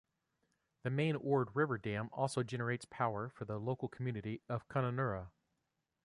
The main Ord River dam also generates power for the local community of Kununurra.